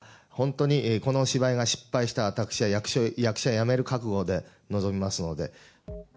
本当にこの芝居が失敗したら、私は役者を辞める覚悟で臨みますので。